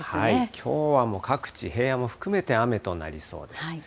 きょうはもう各地、平野も含めて雨となりそうです。